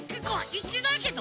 いってないけど。